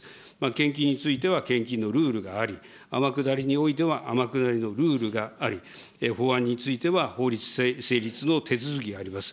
献金については、献金のルールがあり、天下りにおいては、天下りのルールがあり、法案については法律成立の手続きがあります。